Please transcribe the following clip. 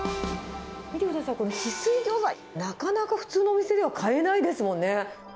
見てください、この翡翠ギョーザ、なかなか普通のお店では買えないですもんね。